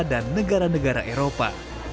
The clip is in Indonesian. dan negara negara eropa